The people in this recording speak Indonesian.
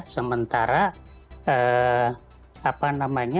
sementara apa namanya